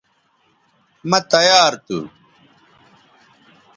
مہ تیار تھو